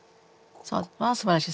ああすばらしい。